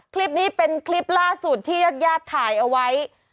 คลิปนี้เป็นคลิปล่าสุดที่ญาติญาติถ่ายเอาไว้